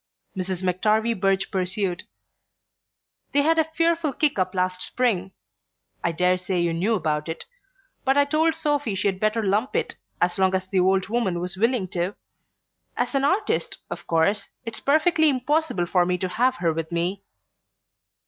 Mrs. McTarvie Birch pursued: "They had a fearful kick up last spring I daresay you knew about it but I told Sophy she'd better lump it, as long as the old woman was willing to...As an artist, of course, it's perfectly impossible for me to have her with me..."